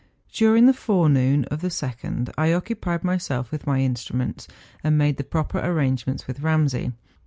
During the forenoon of the 2nd, I occupied myself with my instruments, and made the proper arrange¬ ments with Ramsay.